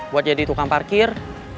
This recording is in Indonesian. buat jadi tukang parkir